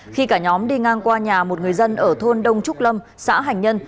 khi cả nhóm đi ngang qua nhà một người dân ở thôn đông trúc lâm xã hành nhân